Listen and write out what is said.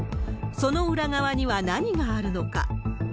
その裏側には何があるのか。